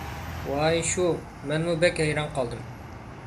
ۋاي شۇ، مەنمۇ بەك ھەيران قالدىم.